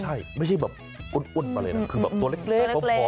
ไม่ใช่แบบอ้นอะไรนะคือแบบตัวเล็กพร้อม